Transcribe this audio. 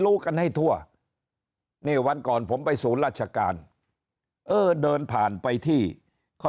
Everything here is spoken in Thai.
รู้กันให้ทั่วนี่วันก่อนผมไปศูนย์ราชการเออเดินผ่านไปที่เขา